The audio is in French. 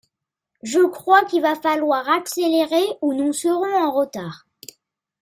Je crois qu'il va falloir accélérer ou nous serons en retard.